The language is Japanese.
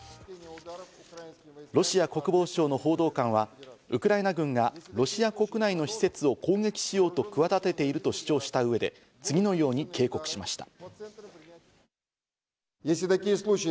ロシア国防省の報道官はウクライナ軍がロシア国内の施設を攻撃しようと企てていると主張した上で、次のように警告しました。